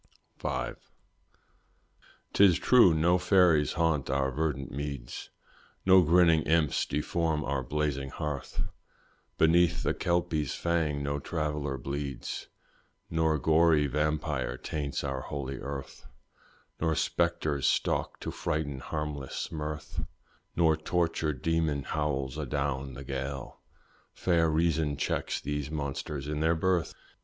V. 'Tis true no fairies haunt our verdant meads, No grinning imps deform our blazing hearth; Beneath the kelpie's fang no traveller bleeds, Nor gory vampyre taints our holy earth, Nor spectres stalk to frighten harmless mirth, Nor tortured demon howls adown the gale; Fair reason checks these monsters in their birth.